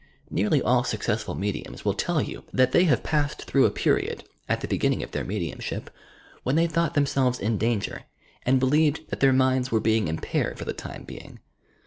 Nearly all successful mediums will tell you that they have passed through a period, at the beginning of their mediumship, when they thought themselves in danger, and believed that their minds were being impaired for the time being.